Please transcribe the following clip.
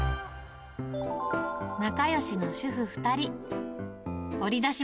仲よしの主婦２人。